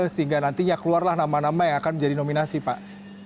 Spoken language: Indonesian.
sehingga nantinya keluarlah nama nama yang akan menjadi nominasi pak